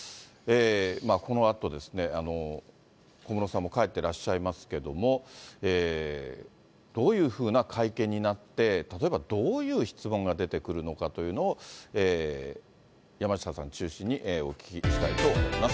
このあとですね、小室さんも帰ってらっしゃいますけども、どういうふうな会見になって、例えばどういう質問が出てくるのかというのを、山下さん中心にお聞きしたいと思います。